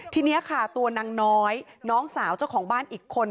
ทีนี้ค่ะตัวนางน้อยน้องสาวเจ้าของบ้านอีกคน